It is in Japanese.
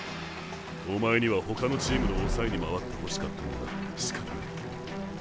おまえには他のチームの抑えに回ってほしかったがしかたない。